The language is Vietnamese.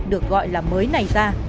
được gọi là mới này ra